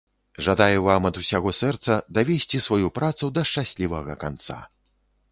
Жадаю вам ад усяго сэрца давесці сваю працу да шчаслівага канца!